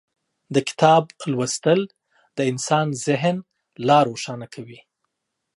د کتاب لوستل د انسان ذهن لا روښانه کوي.